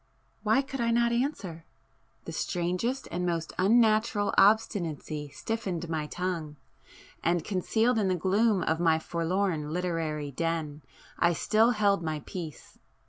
Why could I not answer? The strangest and most unnatural obstinacy stiffened my tongue,—and, concealed in the gloom of my forlorn literary den I still held my peace.